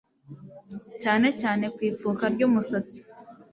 cyane cyane ku ipfuka ry'umusatsi